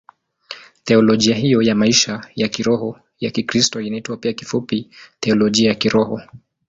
Teolojia hiyo ya maisha ya kiroho ya Kikristo inaitwa pia kifupi Teolojia ya Kiroho.